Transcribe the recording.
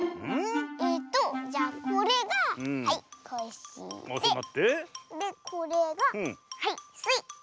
えっとじゃこれがはいコッシーででこれがはいスイ。